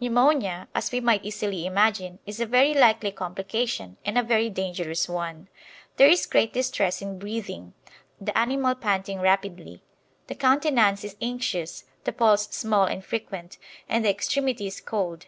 Pneumonia, as we might easily imagine, is a very likely complication, and a very dangerous one. There is great distress in breathing, the animal panting rapidly. The countenance is anxious, the pulse small and frequent, and the extremities cold.